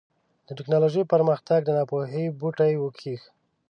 د ټيکنالوژۍ پرمختګ د ناپوهۍ بوټی وکېښ.